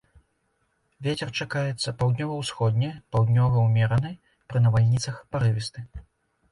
Вецер чакаецца паўднёва-ўсходні, паўднёвы ўмераны, пры навальніцах парывісты.